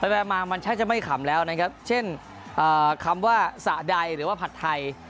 มามันแทบจะไม่ขำแล้วนะครับเช่นคำว่าสะใดหรือว่าผัดไทย